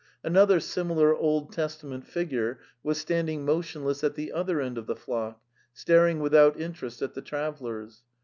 Another similar Old Testament figure was standing motionless at the other end of the flock, staring without interest at the travellers.